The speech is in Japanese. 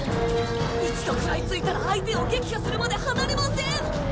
一度食らいついたら相手を撃破するまで離れません。